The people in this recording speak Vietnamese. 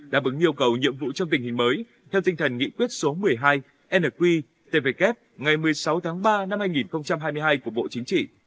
đáp ứng yêu cầu nhiệm vụ trong tình hình mới theo tinh thần nghị quyết số một mươi hai nqtvk ngày một mươi sáu tháng ba năm hai nghìn hai mươi hai của bộ chính trị